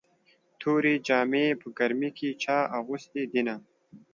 تورې جامې په ګرمۍ چا اغوستې دينه